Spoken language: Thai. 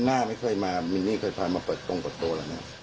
หน้าไม่เคยมามินี่เคยพามาเปิดตรงกระโต๊ะหรือไม่ครับ